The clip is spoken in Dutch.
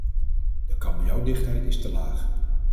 De kabeljauwdichtheid is te laag.